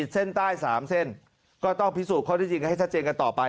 เส้นใต้๓เส้นก็ต้องพิสูจน์ข้อที่จริงให้ชัดเจนกันต่อไป